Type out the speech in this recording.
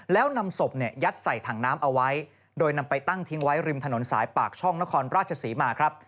แล้วนำศพเนี่ยยัดใส่ถังน้ำเอาไว้โดยนำไปตั้งทิ้งไว้ริมถนนสายปากช่องนครราชศรีมาครับ